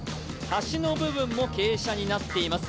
橋の部分も傾斜になっています。